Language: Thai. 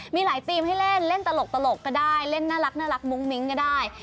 มีหลายทีมให้เล่นเล่นตลกก็ได้เล่นน่ารักมุ้งมิ้งก็ได้